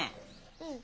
うん。